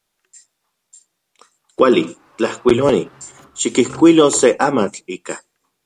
Kuali. Tlajkuiloani, xikijkuilo se amatl ika.